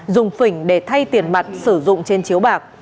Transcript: dùng phỉnh để thay tiền mặt sử dụng trên chiếu bạc